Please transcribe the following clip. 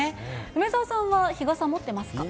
梅澤さんは日傘、持ってますか。